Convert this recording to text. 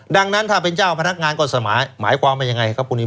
ดังนั้นถ้าเป็นเจ้าพนักงานก็สมัยหมายความเป็นยังไงครับพวกนี้